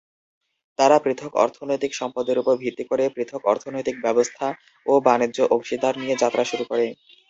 তারা পৃথক অর্থনৈতিক সম্পদের উপর ভিত্তি করে পৃথক অর্থনৈতিক ব্যবস্থা ও বাণিজ্য অংশীদার নিয়ে যাত্রা শুরু করে।